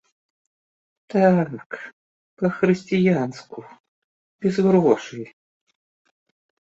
Так, па-хрысціянску, без грошай.